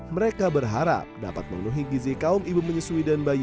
mereka berharap dapat menuhi gizi kaumnya